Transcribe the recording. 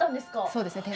そうですね。